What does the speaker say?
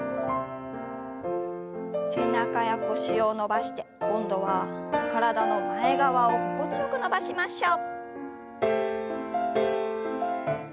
背中や腰を伸ばして今度は体の前側を心地よく伸ばしましょう。